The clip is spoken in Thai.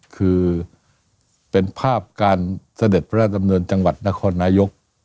คือเป็นภาพการเสด็จพระราชดำเนินจังหวัดนครนายก